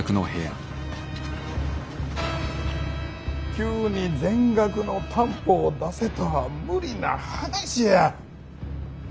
急に全額の担保を出せとは無理な話や。